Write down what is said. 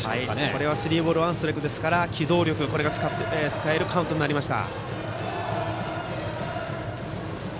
これはスリーボールワンストライクですから機動力が使えるカウントになりました。